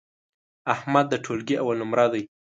احمد د ټولگي اول نمره دی.